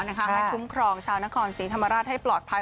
ให้คุ้มครองชาวนครศรีธรรมราชให้ปลอดภัย